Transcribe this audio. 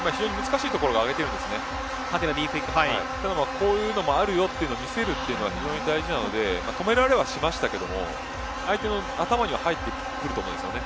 こういうのもあるよというのを見せるというのは非常に大事なので止められはしましたけれども相手の頭には入ってくると思うんですよね。